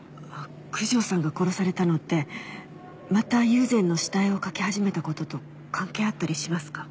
九条さんが殺されたのってまた友禅の下絵を描き始めたことと関係あったりしますか？